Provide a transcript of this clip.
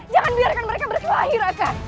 jangan biarkan mereka bersuahi raka